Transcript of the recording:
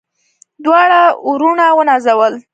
دواړه وروڼه ونازول.